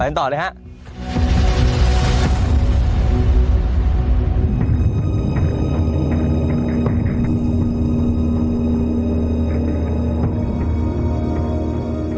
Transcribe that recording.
ไปต่อเลยครับ